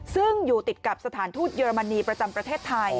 ซึ่งอยู่ติดกับสถานทูตเยอรมนีประจำประเทศไทย